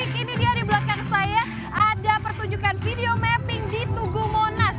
kini dia di belakang saya ada pertunjukan video mapping di tugu monas